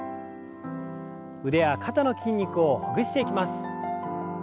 腕や肩の筋肉をほぐしていきます。